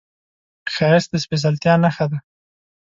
ښایست د سپېڅلتیا نښه ده